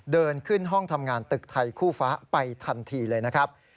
เดินขึ้นห้องทำงานตึกไทยคู่ฟ้าไปทันทีเลยนะครับ